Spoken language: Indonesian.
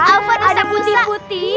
apa disana putih putih